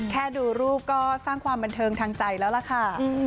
แค่ดูรูปก็สร้างความบันเทิงทางใจแล้วล่ะค่ะ